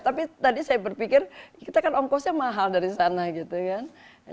tapi tadi saya berpikir kita kan ongkosnya mahal dari sana gitu kan